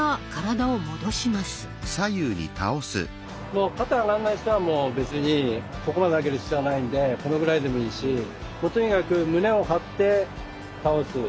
もう肩上がんない人は別にここまで上げる必要はないんでこのぐらいでもいいしとにかく胸を張って倒す。